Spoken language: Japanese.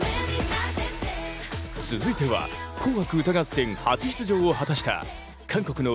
続いては「紅白歌合戦」初出場を果たした韓国の